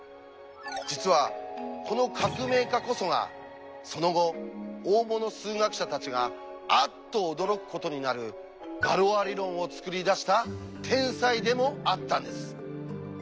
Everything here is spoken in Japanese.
実はこの革命家こそがその後大物数学者たちがあっと驚くことになる「ガロア理論」を作り出した天才でもあったんです。